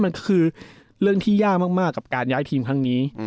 เรื่องที่ยากมากกับการย้ายทีมทั้งนี้